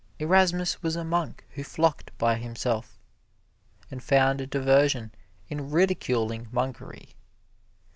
Erasmus was a monk who flocked by himself, and found diversion in ridiculing monkery.